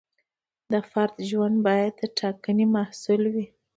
د فرد ژوند باید د ټاکنې محصول وي.